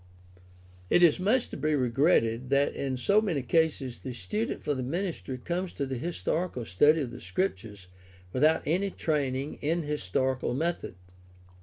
It is much to be regretted that in so many cases the student for the ministry comes to the historical study of the Scriptures without any training in historical method.